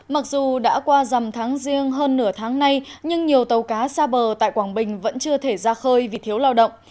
mặc dù đã qua dầm tháng riêng hơn nửa tháng nay nhưng nhiều tàu cá xa bờ tại quảng bình vẫn chưa thể ra khơi vì thiếu lao động